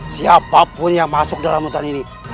siapapun yang masuk dalam hutan ini